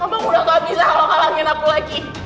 abang udah gak bisa kalau kalangin aku lagi